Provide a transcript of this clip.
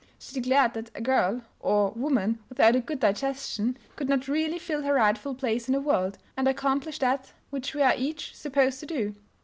"She declared that a girl, or woman without a good digestion could not really fill her rightful place in the world and accomplish that which we are each supposed to do.